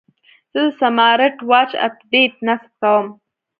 زه د سمارټ واچ اپډیټ نصب کوم.